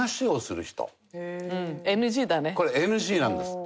これＮＧなんですって。